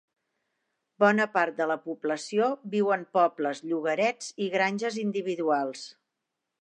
Bona part de la població viu en pobles, llogarets i granges individuals.